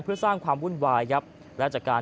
ก็เลยสร้างความวุ่นวายยับและจากการ